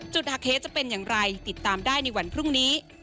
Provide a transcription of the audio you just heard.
หักเหจะเป็นอย่างไรติดตามได้ในวันพรุ่งนี้